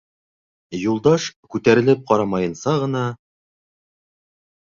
Юлдаш, күтәрелеп ҡарамайынса ғына: